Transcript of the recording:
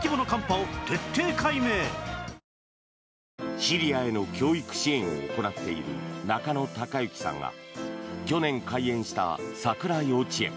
シリアへの教育支援を行っている中野貴行さんが去年開園したＳＡＫＵＲＡ幼稚園。